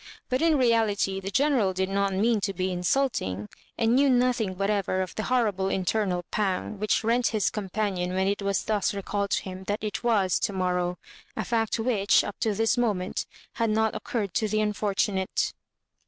But in reality, the General did not mean to be insulting, and knew nothing whatever of the horrible internal pang which Digitized by VjOOQIC MISS MABJ0BI6AKES. 103 rent his companion when it was thus recalled to him that it wan to morrow, a fact which, up to this moment, had not ooourred to the unfortunate.